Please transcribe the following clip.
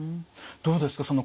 どうですか？